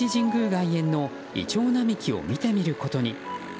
外苑のイチョウ並木を見てみることに。